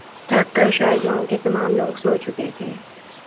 تھک کر شاید گاؤں کے تمام لوگ سو چکے تھے